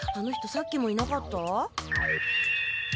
さっきもいなかった？